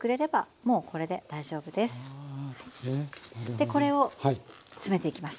でこれを詰めていきます。